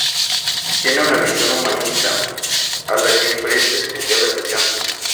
Tiene una visión humanista, a la que presta especial atención.